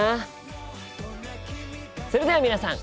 それでは皆さん